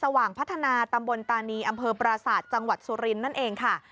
ว่างพัฒนาตำบลตานีอำเภอปราศาสตร์จังหวัดสุรินทร์นั่นเองค่ะ